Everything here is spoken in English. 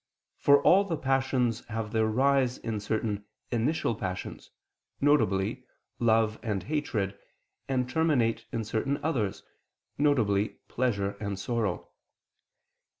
For all the passions have their rise in certain initial passions, viz. love and hatred, and terminate in certain others, viz. pleasure and sorrow.